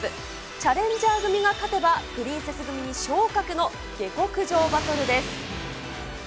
チャレンジャー組が勝てば、プリンセス組に昇格の下剋上バトルです。